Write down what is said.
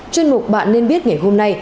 chuyên mục bạn nên biết ngày hôm nay